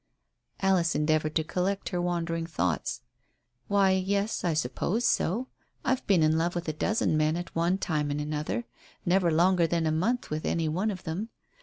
Alice endeavoured to collect her wandering thoughts. "Why, yes, I suppose so. I've been in love with a dozen men at one time and another, never longer than a month with any one of them.